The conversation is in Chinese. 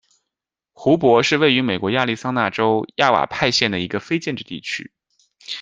胡珀是位于美国亚利桑那州亚瓦派县的一个非建制地区。